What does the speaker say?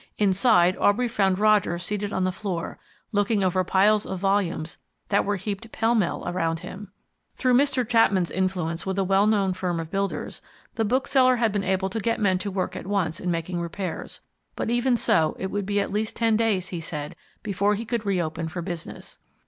Inside, Aubrey found Roger seated on the floor, looking over piles of volumes that were heaped pell mell around him. Through Mr. Chapman's influence with a well known firm of builders, the bookseller had been able to get men to work at once in making repairs, but even so it would be at least ten days, he said, before he could reopen for business.